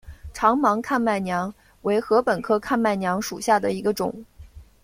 长芒看麦娘为禾本科看麦娘属下的一个种。